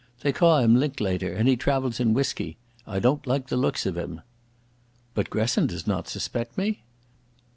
They ca' him Linklater and he travels in whisky. I don't like the looks of him." "But Gresson does not suspect me?"